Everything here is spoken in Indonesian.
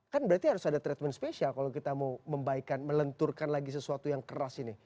kan berarti harus ada treatment spesial kalau kita mau membaikkan melenturkan lagi sesuatu yang keras ini